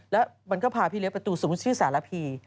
แล้วมันก็พาพี่เลี้ยประตูสมมุติชื่อสารพี